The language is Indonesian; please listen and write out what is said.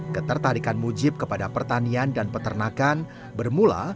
ketertarikan mujib kepada pertanian dan peternakan bermula